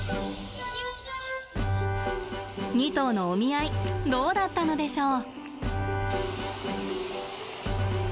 ２頭のお見合いどうだったのでしょう？